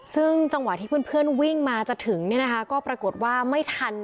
ซึ่งจังหวะที่เพื่อนเพื่อนวิ่งมาจะถึงเนี่ยนะคะก็ปรากฏว่าไม่ทัน